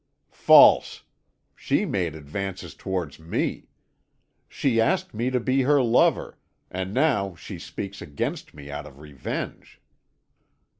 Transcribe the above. "False. She made advances towards me. She asked me to be her lover, and now she speaks against me out of revenge."